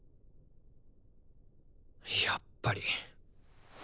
やっぱり。